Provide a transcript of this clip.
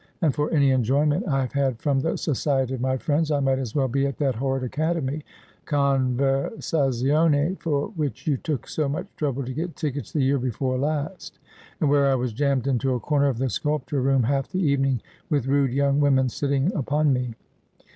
'And for any enjoyment I have had from the society of my friends I might as well be at that horrid Academy conversazione for which you took so much trouble to get tickets the year before last, and where I was jammed into a corner of the sculpture room half the evening, with rude young women sitting upon me.'